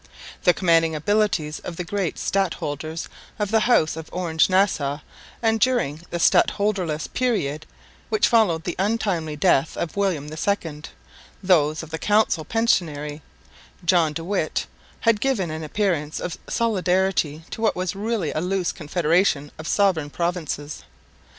The commanding abilities of the great stadholders of the house of Orange Nassau, and during the stadholderless period which followed the untimely death of William II, those of the Council Pensionary, John de Witt, had given an appearance of solidarity to what was really a loose confederation of sovereign provinces.